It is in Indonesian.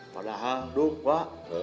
padahal duk pak